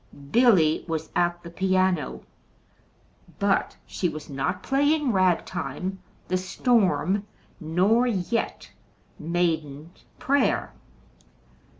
Billy was at the piano, but she was not playing "rag time," "The Storm," nor yet "The Maiden's Prayer."